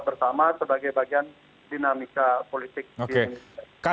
bersama sebagai bagian dinamika politik di indonesia